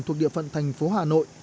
thuộc địa phận thành phố hà nội